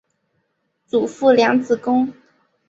祖父梁子恭。